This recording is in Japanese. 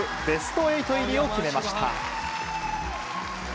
ベスト８入りを決めました。